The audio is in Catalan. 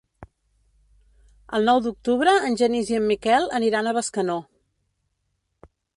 El nou d'octubre en Genís i en Miquel aniran a Bescanó.